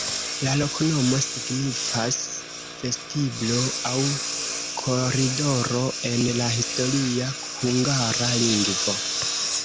La loknomo signifas: vestiblo aŭ koridoro en la historia hungara lingvo.